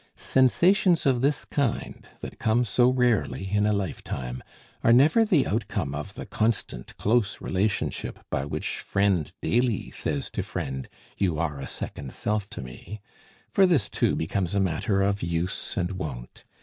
Sensations of this kind, that came so rarely in a lifetime, are never the outcome of the constant, close relationship by which friend daily says to friend, "You are a second self to me"; for this, too, becomes a matter of use and wont.